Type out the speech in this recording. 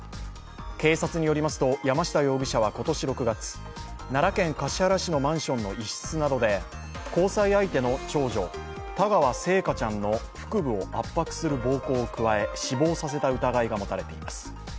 警察によりますと山下容疑者は今年６月、奈良県橿原市のマンションの一室などで交際相手の長女・田川星華ちゃんの腹部を圧迫する暴行を加え死亡させた疑いが持たれています。